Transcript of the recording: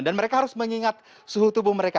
dan mereka harus mengingat suhu tubuh mereka